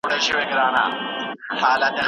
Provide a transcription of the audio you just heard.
«برنس» دلته لوی ولي شو، لاسنیوی یې بیا ضرور دی